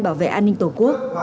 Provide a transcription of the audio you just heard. bảo vệ an ninh tổ quốc